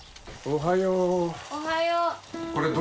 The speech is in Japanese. おはよう。